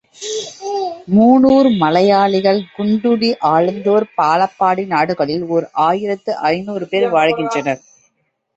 மூனூர் மலையாளிகள் குண்டுனி, அலத்தூர், பலாப்பாடி நாடுகளில் ஓர் ஆயிரத்து ஐநூறு பேர் வாழ்கின்றனர்.